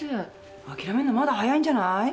あきらめんのまだ早いんじゃない？